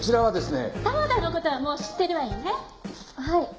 はい。